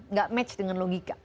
nggak match dengan logika